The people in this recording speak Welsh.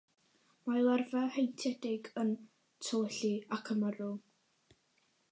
Mae larfa heintiedig yn tywyllu ac yn marw.